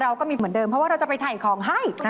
เราก็มีเหมือนเดิมเพราะว่าเราจะไปถ่ายของให้